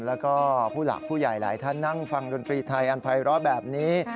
แล้วก็ผู้หลักผู้ใหญ่หลายท่านนั่งฟังดนตรีไทยอันภัยร้อแบบนี้